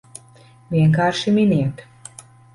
Vienkārši miniet!